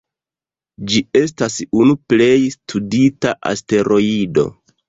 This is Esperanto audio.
Ĝi estas unu plej studita asteroido.